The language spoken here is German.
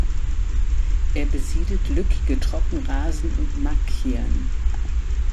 Er besiedelt lückige Trockenrasen und Macchien.